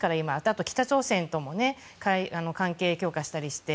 あと北朝鮮とも関係強化したりして。